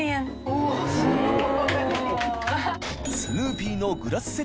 おぉすごい。